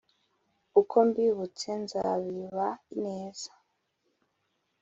uko mbibutse nzabiba ineza